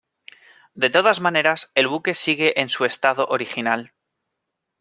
De todas maneras, el buque sigue en su estado original.